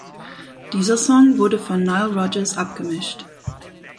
Dieser Song wurde von Nile Rodgers abgemischt.